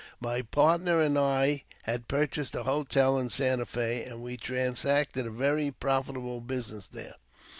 My partner and I had purchased a hotel in Santa Fe, and we transacted a very profitable business there.